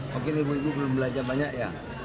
mungkin ibu ibu belum belajar banyak ya